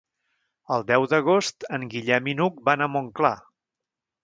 El deu d'agost en Guillem i n'Hug van a Montclar.